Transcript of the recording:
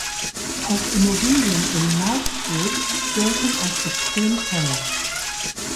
Auch Immobilien in Knightsbridge gelten als extrem teuer.